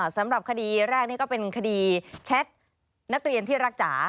สำหรับคดีแรกนี่ก็เป็นคดีแชทนักเรียนที่รักจ๋า